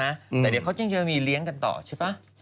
แต่เดี๋ยวเขาจึงจะมีเลี้ยงกันต่อใช่ป่ะ